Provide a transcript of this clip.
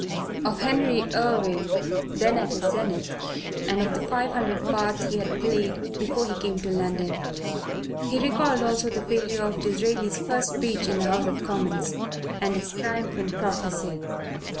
of Henry Irving (then at his zenith) and the five hundred parts he had played before he came to London; he recalled also the failure of Disraeli's first speech in the House of Commons and his triumphant prophecy.